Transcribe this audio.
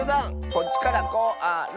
こっちから「こ・あ・ら」。